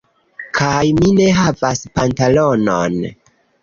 Kaj mi ne havas pantalonon.